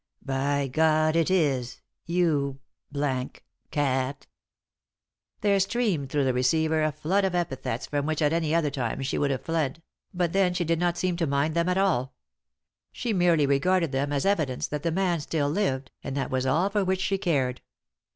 " By God, it is, you cat 1 " There streamed through the receiver a flood of epithets from which at any other time she would have fled ; but then she did not seem to mind them at all. She merely regarded them as evidence that the man still lived, and that was all for which she cared.